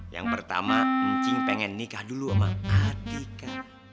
yang pertama ncing pengen nikah dulu sama adika